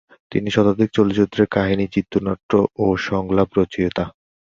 তিনি শতাধিক চলচ্চিত্রের কাহিনী-চিত্রনাট্য-সংলাপ রচয়িতা।